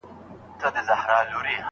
د ښځو غوښتنې پوره کول څنګه عدل شمېرل کیږي؟